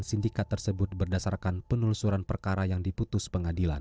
bahkan dwi dan tim kerap menjadi saksi untuk penelusuran perkara yang diputus pengadilan